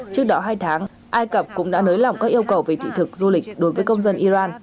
trước đó hai tháng ai cập cũng đã nới lỏng các yêu cầu về thị thực du lịch đối với công dân iran